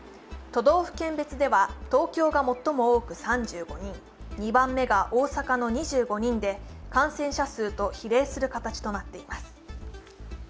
都道府県別では東京が最も多く３５人、２番目が大阪の２５人で感染者数と比例する形となっています。